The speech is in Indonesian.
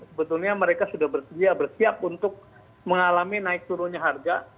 sebetulnya mereka sudah bersedia bersiap untuk mengalami naik turunnya harga